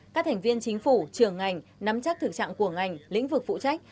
các thành viên chính phủ trường ngành nắm chắc thực trạng của ngành lĩnh vực phụ trách